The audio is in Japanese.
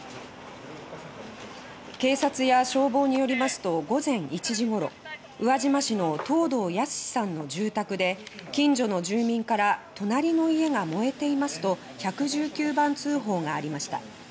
警察や消防によりますと午前１時ごろ宇和島市の藤堂泰さんの住宅で近所の住民から「隣の家が燃えています」と１１９番通報がありました。